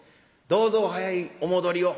どうぞお早いお戻りを」。